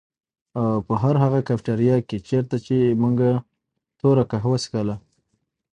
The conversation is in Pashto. او په هر هغه کيفېټيريا کي چيرته چي مونږ توره کهوه څښله